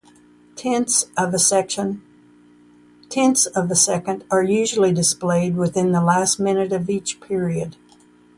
Tenths of a second are usually displayed within the last minute of each period.